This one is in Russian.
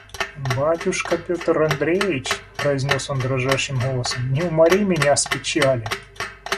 «Батюшка Петр Андреич, – произнес он дрожащим голосом, – не умори меня с печали.